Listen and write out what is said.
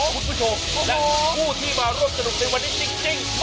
คุณผู้ชมและผู้ที่มาร่วมสนุกในวันนี้จริง